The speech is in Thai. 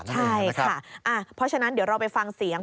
ใช่ค่ะเพราะฉะนั้นเดี๋ยวเราไปฟังเสียง